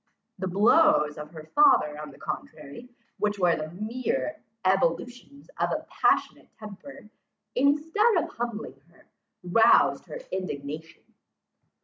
The blows of her father on the contrary, which were the mere ebullitions of a passionate temper, instead of humbling her, roused her indignation.